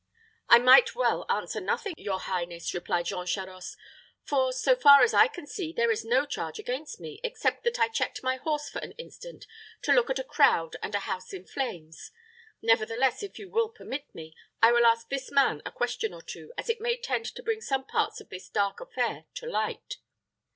"I might well answer nothing, your highness," replied Jean Charost; "for, so far as I can see, there is no charge against me, except that I checked my horse for an instant to look at a crowd and a house in flames. Nevertheless, if you will permit me, I will ask this man a question or two, as it may tend to bring some parts of this dark affair to light."